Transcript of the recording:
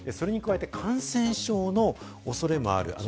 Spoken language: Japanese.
それに加えて感染症の恐れもある。